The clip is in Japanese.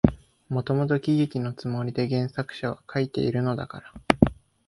もともと喜劇のつもりで原作者は書いているのだから、